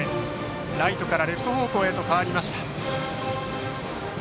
ライトからレフト方向へと変わりました。